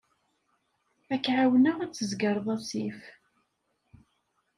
Ad k-ɛawneɣ ad tzeggreḍ asif.